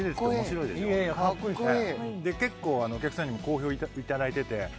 結構お客さんにも好評いただいてて。